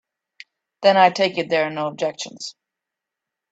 Then I take it there are no objections.